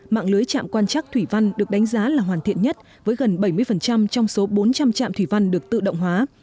mạng lưới trạm quan trắc thủy văn được đánh giá là hoàn thiện nhất với gần bảy mươi trong số bốn trăm linh trạm thủy văn được tự động hóa